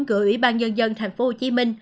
của ủy ban nhân dân tp hcm